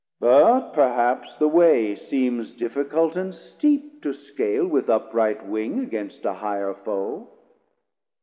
But perhaps 70 The way seems difficult and steep to scale With upright wing against a higher foe.